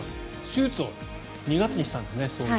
手術を２月にしたんですね